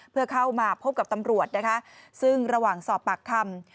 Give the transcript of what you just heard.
เพื่อเข้ามาพบกับตำรวจนะคะซึ่งระหว่างสอบปากคำ